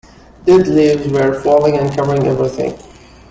Dead leaves were falling and covering everything.